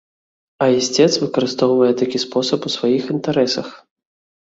А ісцец выкарыстоўвае такі спосаб у сваіх інтарэсах.